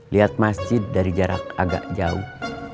lihat masjid dari jarak agak jauh